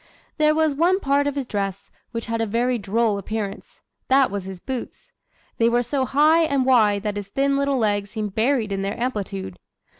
"There was one part of his dress which had a very droll appearance that was his boots. They were so high and wide that his thin little legs seemed buried in their amplitude.